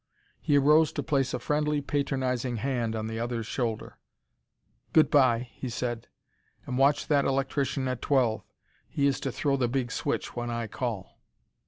"He arose to place a friendly, patronizing hand on the other's shoulder. "Good by," he said, "and watch that electrician at twelve. He is to throw the big switch when I call."